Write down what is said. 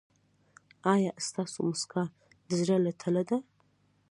ایا ستاسو مسکا د زړه له تله ده؟